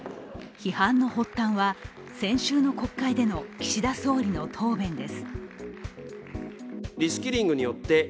批判の発端は先週の国会での岸田総理の答弁です。